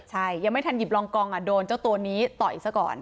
ใช่ยังไม่ทันหยิบรองกองโดนเจ้าตัวนี้ต่อยซะก่อน